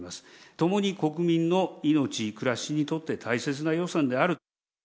ともに国民の命、暮らしにとって大切な予算である。